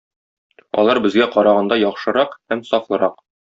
Алар безгә караганда яхшырак һәм сафлырак.